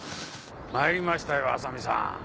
参りましたよ浅見さん。